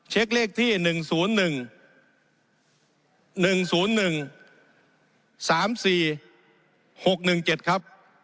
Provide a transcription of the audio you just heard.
เช็คเลขที่หนึ่งศูนย์หนึ่งหนึ่งศูนย์หนึ่งสามสี่หกหนึ่งเจ็ดครับ